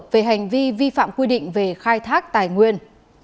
về hành vi vi phạm quy định về khai thác tài nguyên